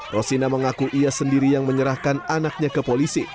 rosina mengaku ia sendiri yang menyerahkan anaknya ke polisi